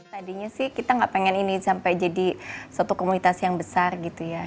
tadinya sih kita nggak pengen ini sampai jadi suatu komunitas yang besar gitu ya